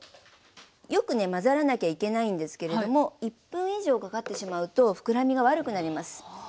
よくね混ざらなきゃいけないんですけれども１分以上かかってしまうと膨らみが悪くなります。